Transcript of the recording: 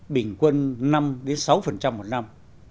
bình quân năm sáu một năm